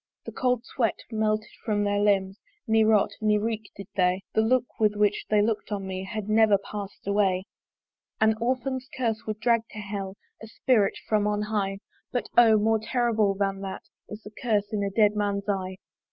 The cold sweat melted from their limbs, Ne rot, ne reek did they; The look with which they look'd on me, Had never pass'd away. An orphan's curse would drag to Hell A spirit from on high: But O! more horrible than that Is the curse in a dead man's eye!